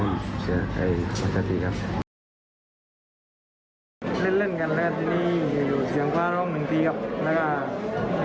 แล้วตอนที่เราเล่นอยู่นี่มีผลตอบหรือว่ามีเสียงฟ้าร้องไหมครับมีผลตอบครับแล้วก็มีเสียงฟ้าร้องหนึ่งทีครับ